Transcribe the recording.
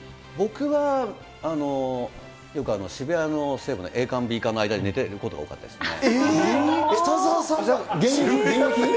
僕はよく渋谷の西武のＡ館、Ｂ館の間で寝てることが多かったですね。